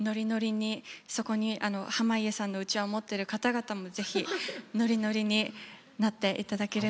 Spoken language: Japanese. そこに濱家さんのうちわを持ってる方々も是非ノリノリになっていただければなって。